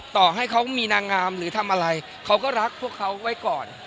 ต่อให้เขามีนางงามหรือทำอะไรเขาก็รักพวกเขาไว้ก่อน